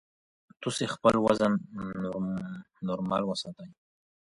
تاسو خپل وزن نورمال ساتئ.